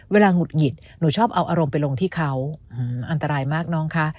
หงุดหงิดหนูชอบเอาอารมณ์ไปลงที่เขาอันตรายมากน้องคะ